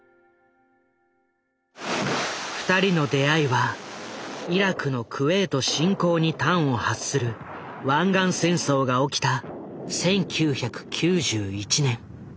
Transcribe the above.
二人の出会いはイラクのクウェート侵攻に端を発する湾岸戦争が起きた１９９１年。